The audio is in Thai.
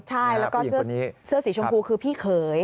ใช่แล้วก็เสื้อสีชมพูคือพี่เขย